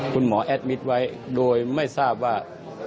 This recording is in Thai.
คุณหมอแอดมิตรไว้โดยไม่ทราบว่า